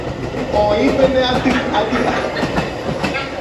Oĩ pende ati'y ári